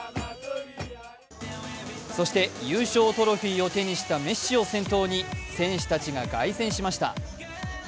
そして優勝トロフィーを手にしたメッシを先頭に選手たちが凱旋しました。